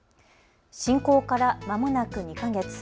侵攻からまもなく２か月。